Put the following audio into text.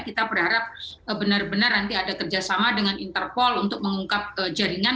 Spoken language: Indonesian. kita berharap benar benar nanti ada kerjasama dengan interpol untuk mengungkap jaringan